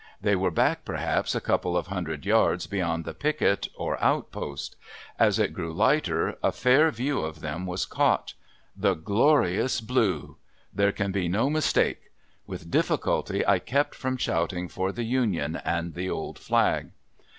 They were back perhaps a couple of hundred yards beyond the picket or outpost. As it grew lighter a fair view of them was caught. The glorious blue. There can be no mistake. With difficulty I kept from shouting for the Union and the old flag.